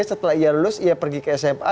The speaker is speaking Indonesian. setelah ia lulus ia pergi ke sma